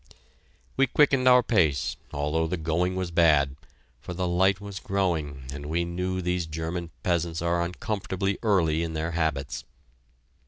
We quickened our pace, although the going was bad, for the light was growing and we knew these German peasants are uncomfortably early in their habits.